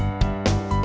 oke sampai jumpa